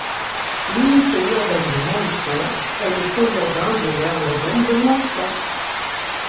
L'unité urbaine de Montluçon est le pôle urbain de l'aire urbaine de Montluçon.